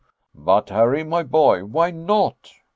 "But, Harry, my boy, why not?"